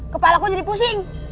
kepala ku jadi pusing